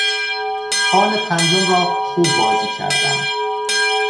خان پنجم را خوب بازی کردم.